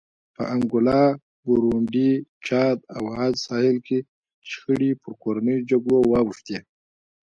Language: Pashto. په انګولا، برونډي، چاد او عاج ساحل کې شخړې پر کورنیو جګړو واوښتې.